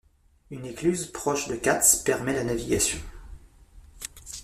Une écluse, proche de Kats, permet la navigation.